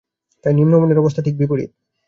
তাই নিম্নবর্ণের অবস্থা ঠিক বিপরীত।